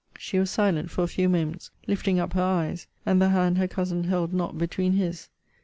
She was silent for a few moments, lifting up her eyes, and the hand her cousin held not between his.